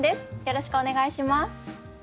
よろしくお願いします。